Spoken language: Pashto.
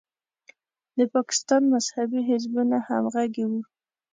د پاکستان مذهبي حزبونه همغږي وو.